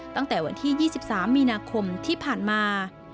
ตั้งแต่วันที่๒๓มีนาคมที่ผ่านมา